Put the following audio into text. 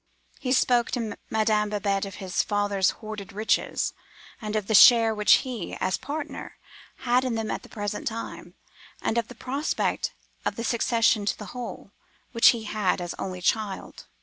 He spoke to Madame Babette of his father's hoarded riches; and of the share which he, as partner, had in them at the present time; and of the prospect of the succession to the whole, which he had, as only child.